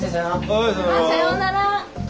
はいさようなら。